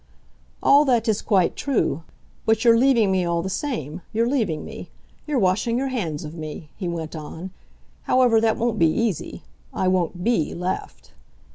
"All that is quite true. But you're leaving me, all the same, you're leaving me you're washing your hands of me," he went on. "However, that won't be easy; I won't BE left."